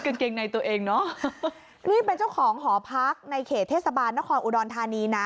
กางเกงในตัวเองเนอะนี่เป็นเจ้าของหอพักในเขตเทศบาลนครอุดรธานีนะ